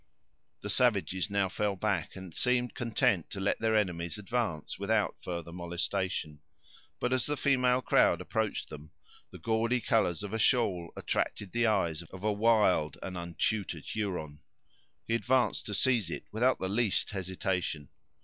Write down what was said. The savages now fell back, and seemed content to let their enemies advance without further molestation. But, as the female crowd approached them, the gaudy colors of a shawl attracted the eyes of a wild and untutored Huron. He advanced to seize it without the least hesitation.